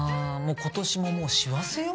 今年ももう師走よ。